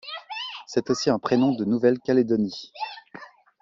C'est aussi un prénom de Nouvelle-Calédonie.